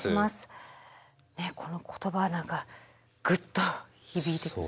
この言葉何かグッと響いてくる。